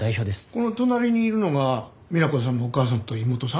この隣にいるのが美奈子さんのお母さんと妹さん？